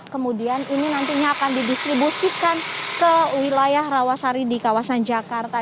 kemudian ini nantinya akan didistribusikan ke wilayah rawasari di kawasan jakarta